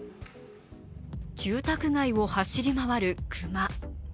住宅街を走り回る熊。